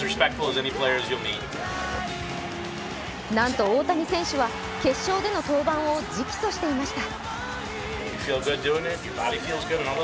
なんと大谷選手は決勝での登板を直訴していました。